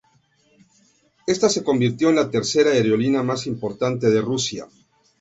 Esta se convirtió en la tercera aerolínea más importante de Rusia.